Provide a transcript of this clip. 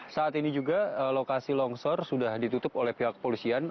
saat ini juga lokasi longsor sudah ditutup oleh pihak polisian